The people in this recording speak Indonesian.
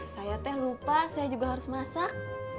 saya teh lupa saya juga harus masak